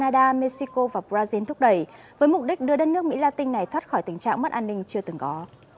để giúp mỹ la tinh này thoát khỏi tình trạng mất an ninh chưa từng có